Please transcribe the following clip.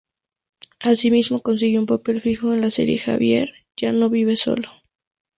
Así mismo consiguió un papel fijo en la serie "Javier ya no vive solo".